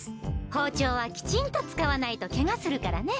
ほうちょうはきちんとつかわないとケガするからね。